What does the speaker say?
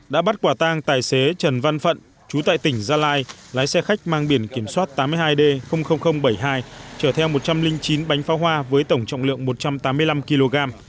đã bắt quả tang tài xế trần văn phận chú tại tỉnh gia lai lái xe khách mang biển kiểm soát tám mươi hai d bảy mươi hai chở theo một trăm linh chín bánh pháo hoa với tổng trọng lượng một trăm tám mươi năm kg